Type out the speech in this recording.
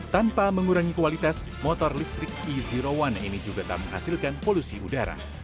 tanpa mengurangi kualitas motor listrik e satu ini juga tak menghasilkan polusi udara